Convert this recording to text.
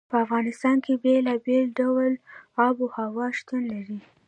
په افغانستان کې بېلابېل ډوله آب وهوا شتون لري.